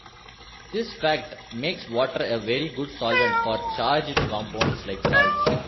This fact makes water a very good solvent for charged compounds like salts.